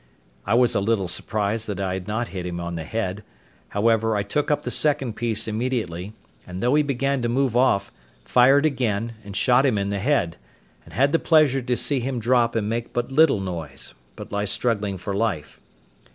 I was a little surprised that I had not hit him on the head; however, I took up the second piece immediately, and though he began to move off, fired again, and shot him in the head, and had the pleasure to see him drop and make but little noise, but lie struggling for life.